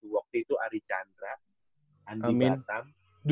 waktu itu ari chandra andi batam